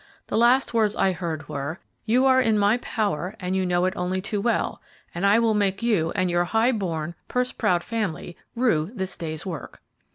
The last words I heard were, 'You are in my power, and you know it only too well; and I will make you and your high born, purse proud family rue this day's work.'"